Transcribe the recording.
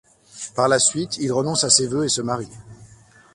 Par la suite, il renonce à ses vœux et se marie.